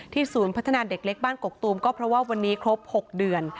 ศูนย์พัฒนาเด็กเล็กบ้านกกตูมก็เพราะว่าวันนี้ครบ๖เดือน